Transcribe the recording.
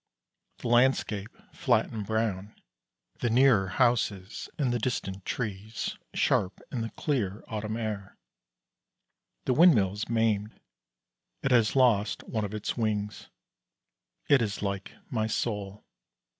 The landscape flat and brown, the nearer houses and the distant trees sharp in the clear autumn air. The windmill is maimed; it has lost one of its wings. It is like my soul.